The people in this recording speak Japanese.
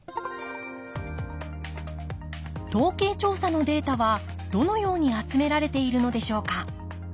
統計調査のデータはどのように集められているのでしょうか。